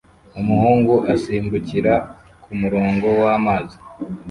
umuhungu asimbukira kumurongo wamazi